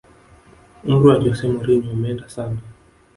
umri wa jose mourinho umeenda sana